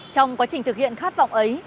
trong quá trình thực hiện khát vọng ấy